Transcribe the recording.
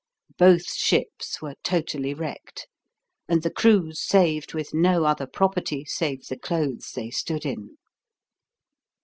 Both ships were totally wrecked, and the crews saved with no other property save the clothes they stood in.